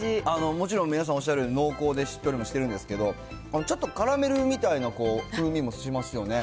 もちろん皆さんおっしゃるように濃厚でしっとりもしてるんですけど、ちょっとカラメルみたいな風味もしますよね。